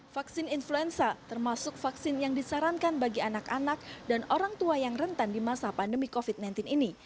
vaksin influenza termasuk vaksin yang disarankan bagi anak anak dan orang tua yang rentan di masa pandemi covid sembilan belas ini